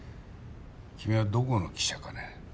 君はどこの記者かね？